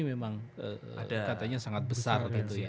memang katanya sangat besar